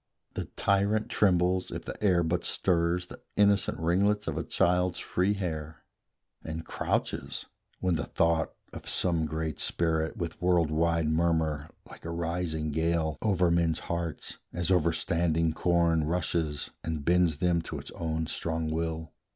The tyrant trembles, if the air but stirs The innocent ringlets of a child's free hair, And crouches, when the thought of some great spirit, With world wide murmur, like a rising gale, Over men's hearts, as over standing corn, Rushes, and bends them to its own strong will.